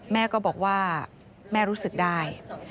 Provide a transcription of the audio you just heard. แม่ก็บอกว่าแม่รู้สึกได้